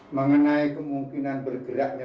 mengenai kemungkinan bergeraknya